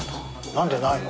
なんでないの？